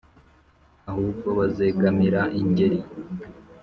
Ahubwo bazegamira ingeri